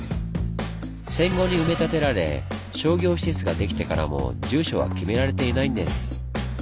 戦後に埋め立てられ商業施設ができてからも住所は決められていないんです。